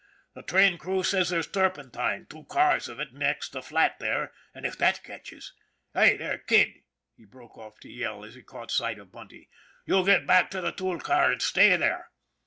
The train crew says there's turpentine two cars of it next the flat there, and if that catches Hi, there, kid," he broke off to yell, as he caught sight of Bunty, " you get back to the tool car, and stay there